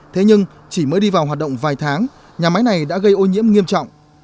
thế nhưng chỉ mới đi vào hoạt động vài tháng nhà máy này đã gây ô nhiễm nghiêm trọng